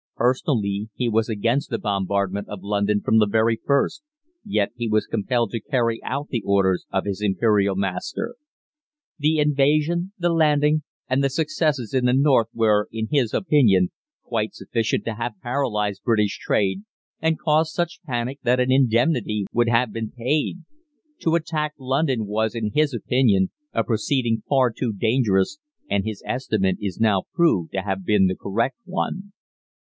Personally, he was against the bombardment of London from the very first, yet he was compelled to carry out the orders of his Imperial master. The invasion, the landing, and the successes in the north were, in his opinion, quite sufficient to have paralysed British trade and caused such panic that an indemnity would have been paid. To attack London was, in his opinion, a proceeding far too dangerous, and his estimate is now proved to have been the correct one.